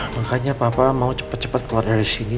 makanya papa mau cepet cepet keluar dari sini